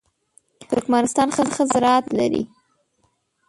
ترکمنستان ښه زراعت لري.